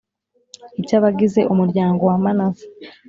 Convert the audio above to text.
icy abagize umuryango wa Manase